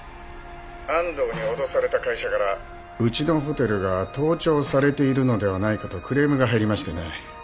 安藤に脅された会社からうちのホテルが盗聴されているのではないかとクレームが入りましてね。